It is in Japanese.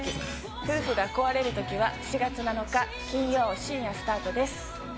夫婦が壊れるときは、４月７日金曜深夜、スタートです。